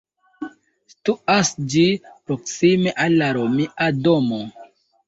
Situas ĝi proksime al la Romia domo.